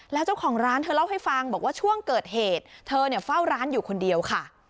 แล้วเจ้าของร้านเธอเล่าให้ฟังบอกว่าช่วงเกิดเหตุเธอเฝ้าร้านอยู่คนเดียวค่ะ